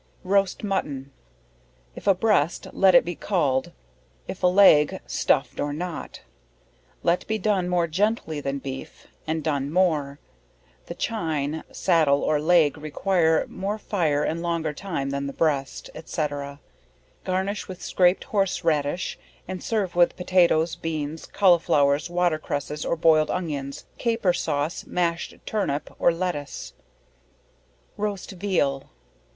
Roast Mutton. If a breast let it be cauled, if a leg, stuffed or not, let be done more gently than beef, and done more; the chine, saddle or leg require more fire and longer time than the breast, &c. Garnish with scraped horse radish, and serve with potatoes, beans, colliflowers, water cresses, or boiled onion, caper sauce, mashed turnip, or lettuce. _Roast Veal.